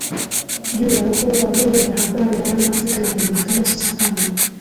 juu ya uhuru wa vyombo vya habari barani Afrika na kujulikana sasa kama